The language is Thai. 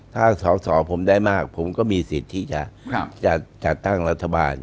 ถ้าสอสอผมได้มากผมก็มีสิทธิ์ที่จะจัดตั้งรัฐบาล